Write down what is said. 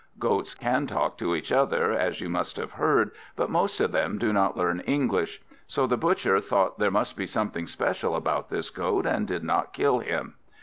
Goats can talk to each other, as you must have heard; but most of them do not learn English. So the Butcher thought there must be something special about this Goat, and did not kill him.